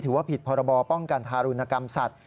ว่าผิดพรบป้องกันทารุณกรรมสัตว